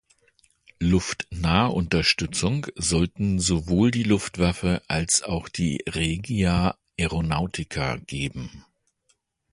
Luftnahunterstützung sollten sowohl die Luftwaffe als auch die Regia Aeronautica geben.